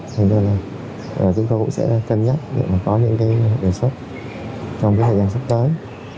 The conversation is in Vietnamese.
thế nên là chúng tôi cũng sẽ cân nhắc để mà có những cái đề xuất trong thời gian sắp tới